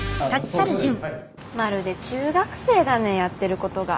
まるで中学生だねやってることが。